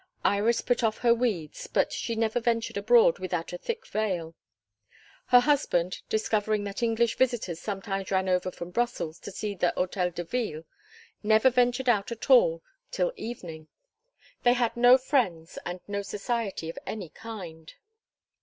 Iris put off her weeds, but she never ventured abroad without a thick veil. Her husband, discovering that English visitors sometimes ran over from Brussels to see the Hotel de Ville, never ventured out at all till evening. They had no friends and no society of any kind.